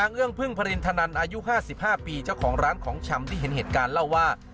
เรื่องพึ่งพระรินทนันอายุ๕๕ปีเจ้าของร้านของชำที่เห็นเหตุการณ์เล่าว่า